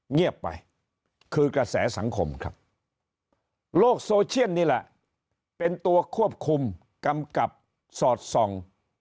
เงียบไปคือกระแสสังคมครับโลกโซเชียลนี่แหละเป็นตัวควบคุมกำกับสอดส่อง